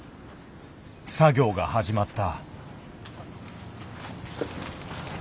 作業が始まった。